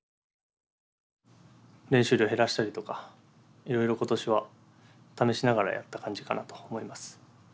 練習量を減らしたりとかいろいろ今年は試しながらやった感じかなと思います。